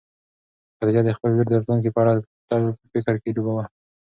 خدیجه د خپلې لور د راتلونکي په اړه تل په فکر کې ډوبه وه.